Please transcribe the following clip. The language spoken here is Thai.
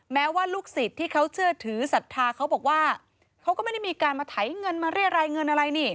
แม้ว่าลูกศิษย์ที่เขาเชื่อถือศรัทธาเขาบอกว่าเขาก็ไม่ได้มีการมาไถเงินมาเรียรายเงินอะไรนี่